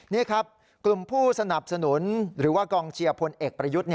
นี่ครับกลุ่มผู้สนับสนุนหรือว่ากองเชียร์พลเอกประยุทธ์